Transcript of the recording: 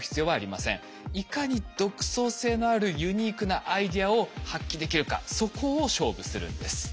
いかに独創性のあるユニークなアイデアを発揮できるかそこを勝負するんです。